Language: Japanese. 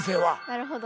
なるほど。